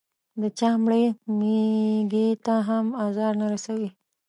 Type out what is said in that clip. د چا مړې مېږې ته هم ازار نه رسوي.